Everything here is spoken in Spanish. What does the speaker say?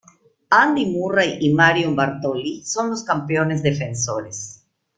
Andy Murray y Marion Bartoli son los campeones defensores.